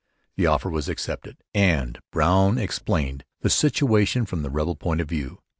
The offer was accepted; and Brown explained the situation from the rebel point of view.